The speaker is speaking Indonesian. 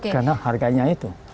karena harganya itu